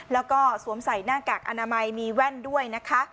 แล้วก็สวมใส่หน้ากากอนามัยมีแว่นด้วยนะคะ